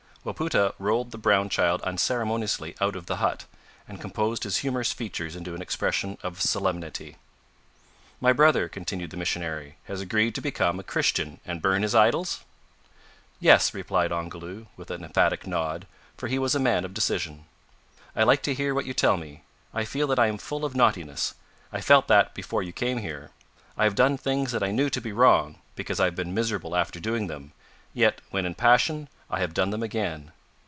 Wapoota rolled the brown child unceremoniously out of the hut, and composed his humorous features into an expression of solemnity. "My brother," continued the missionary, "has agreed to become a Christian and burn his idols?" "Yes," replied Ongoloo with an emphatic nod, for he was a man of decision. "I like to hear what you tell me. I feel that I am full of naughtiness. I felt that before you came here. I have done things that I knew to be wrong, because I have been miserable after doing them yet, when in passion, I have done them again.